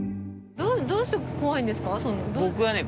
どうして怖いんですか？